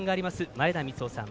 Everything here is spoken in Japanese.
前田三夫さん。